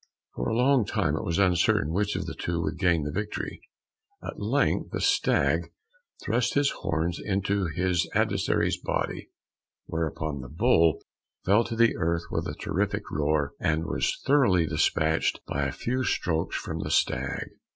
For a long time it was uncertain which of the two would gain the victory; at length the stag thrust his horns into his adversary's body, whereupon the bull fell to the earth with a terrific roar, and was thoroughly despatched by a few strokes from the stag.